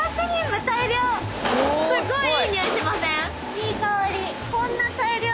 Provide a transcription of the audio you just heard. いい香り。